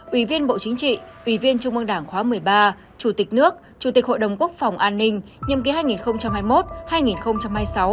ủy viên bộ chính trị ủy viên trung mương đảng khóa một mươi ba chủ tịch nước chủ tịch hội đồng quốc phòng an ninh nhiệm ký hai nghìn hai mươi một hai nghìn hai mươi sáu